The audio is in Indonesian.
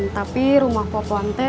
tapi rumah poplante